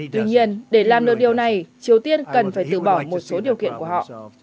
tuy nhiên để làm được điều này triều tiên cần phải từ bỏ một số điều kiện của họ